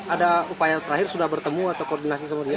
ada upaya terakhir sudah bertemu atau koordinasi sama dia